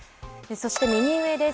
そして右上です。